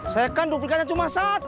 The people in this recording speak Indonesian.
saya kan duplikannya cuma satu